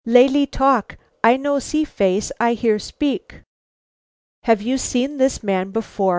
"Lalee talk; I no see face, I hear speak." "Have you seen this man before?"